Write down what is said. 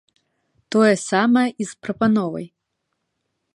Тое самае і з прапановай.